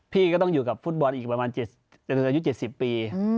พี่ก็ต้องอยู่กับฟุตบอลอีกประมาณ๗๐ปี